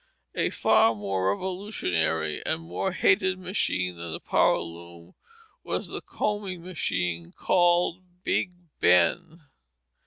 A far more revolutionary and more hated machine than the power loom was the combing machine called Big Ben.